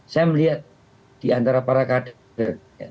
saya melihat diantara para kader